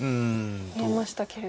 見えましたけれど。